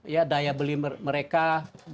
ya daya beli mereka sudah sangat sulit